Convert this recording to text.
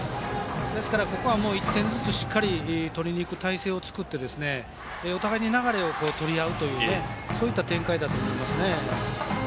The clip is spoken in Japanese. ですからここは１点ずつしっかり取りにいく態勢を作ってお互いに流れを取り合うというそういった展開だと思います。